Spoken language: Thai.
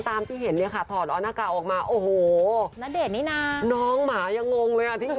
ตามที่เห็นเนี่ยค่ะถอดอนากาออกมาโอ้โหณเดชน์นี่น้าน้องหมายังงงเลย